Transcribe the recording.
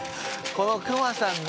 このクマさんね。